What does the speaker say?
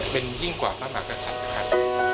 เป็นยิ่งกว่าพระมหากษัตริย์นะครับ